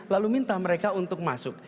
lalu minta mereka untuk masuk